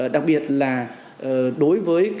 đặc biệt là đối với cái việc